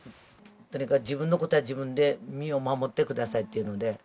「とにかく自分のことは自分で身を守ってください」というので。